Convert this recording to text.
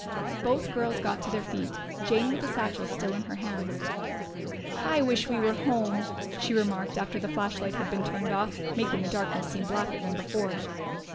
Both girls got to their feet, Jane with the satchel still in her hands. "I wish we were home," she remarked after the flashlight had been turned off, making the darkness seem blacker than before.